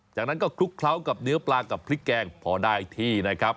จากนั้นก็คลุกเคล้ากับเนื้อปลากับพริกแกงพอได้ที่นะครับ